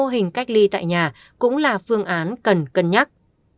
mô hình cách ly tại nhà cũng là phương án cần cân nhắc